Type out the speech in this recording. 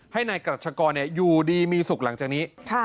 ให้นายกรัชกรอยู่ดีมีสุขหลังจากนี้